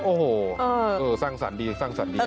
โอ้โหสร้างสรรค์ดีสร้างสรรค์ดี